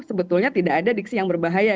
sebetulnya tidak ada diksi yang berbahaya